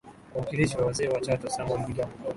mwakilishi wa wazee wa Chato Samwel Bigambo